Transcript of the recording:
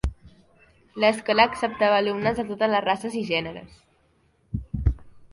L'escola acceptava alumnes de totes les races i gèneres.